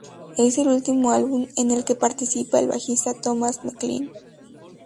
Es el último álbum en el que participa el bajista Thomas MacLean.